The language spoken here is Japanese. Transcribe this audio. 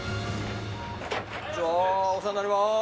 こんにちはお世話になります。